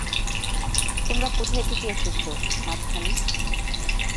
তোমরা কোথায় থেকে এসেছো, মাঝখানে?